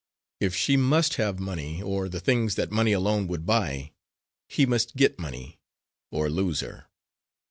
If she must have money, or the things that money alone would buy, he must get money, or lose her.